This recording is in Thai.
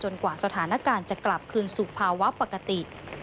กว่าสถานการณ์จะกลับคืนสู่ภาวะปกติ